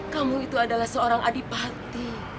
kamu itu adalah seorang adipati